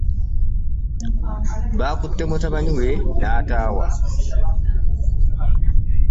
Bakutte mutabani we n'ataawa